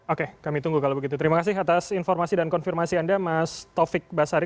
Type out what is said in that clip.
oke kami tunggu kalau begitu terima kasih atas informasi dan konfirmasi anda mas taufik basari